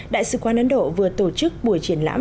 đại sứ quán ấn độ vừa tổ chức buổi triển lãm